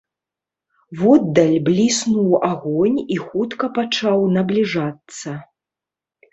Воддаль бліснуў агонь і хутка пачаў набліжацца.